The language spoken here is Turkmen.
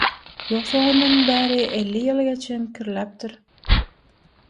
ýogsa ondan bäri elli ýyl geçeňkirläpdir